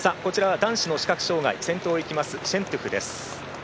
男子の視覚障がい先頭を行きますシェントゥフです。